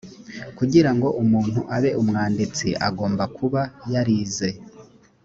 kugira ngo umuntu abe umwanditsi agomba kuba yarize.